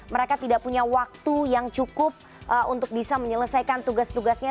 mereka tidak punya waktu yang cukup untuk bisa menyelesaikan tugas tugasnya